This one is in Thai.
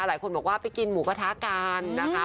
หลายคนบอกว่าไปกินหมูกระทะกันนะคะ